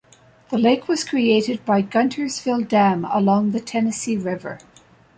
The lake was created by Guntersville Dam along the Tennessee River.